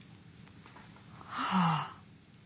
はあ。